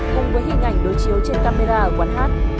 cùng với hình ảnh đối chiếu trên camera ở quán hát